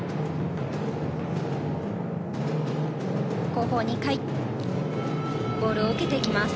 後方２回ボールを受けていきます。